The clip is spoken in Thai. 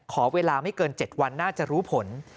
ขอเวลาไม่เกิน๗วันน่าจะรู้ผล